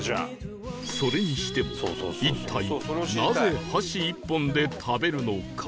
それにしても一体なぜ箸１本で食べるのか？